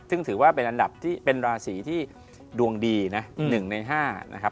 ซึ่งถือว่าเป็นราศีที่ดวงดีนะ๑ใน๕นะครับ